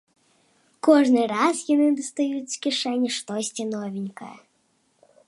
Кожны раз яны дастаюць з кішэні штосьці новенькае.